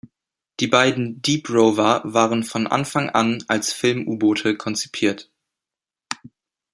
Die beiden "Deep Rover" waren von Anfang an als Film-U-Boote konzipiert.